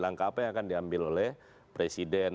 langkah apa yang akan diambil oleh presiden